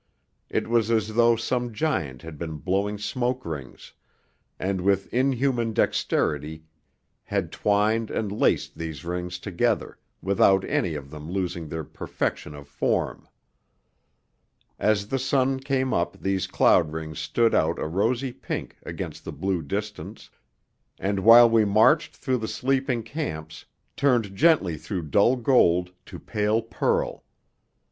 It was as though some giant had been blowing smoke rings, and with inhuman dexterity had twined and laced these rings together, without any of them losing their perfection of form.... As the sun came up these cloud rings stood out a rosy pink against the blue distance, and while we marched through the sleeping camps turned gently through dull gold to pale pearl.